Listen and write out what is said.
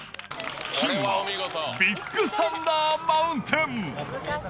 金は、ビッグサンダー・マウンテン。